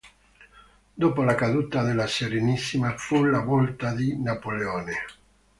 Dopo la caduta della Serenissima fu la volta di Napoleone.